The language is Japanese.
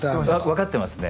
分かってますね